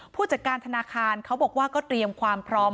ผู้จัดการธนาคารเขาบอกว่าก็เตรียมความพร้อม